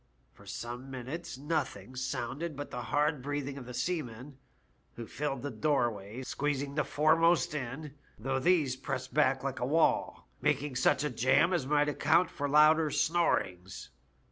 For some minutes nothing • sounded but the hard breathing of the seamen, who filled the doorways, squeezing the foremost in, though these pressed back like a wall, making such a jamas might account for louder snorings.